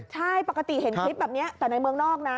ใช่ปกติเห็นคลิปแบบนี้แต่ในเมืองนอกนะ